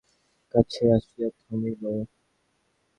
সে গাড়ি রমেশের বাসার দ্বারের কাছে আসিয়া থামিল।